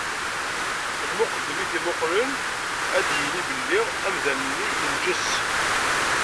Lmuqeddem i t-imuqlen ad yini belli amdan-nni yenǧes.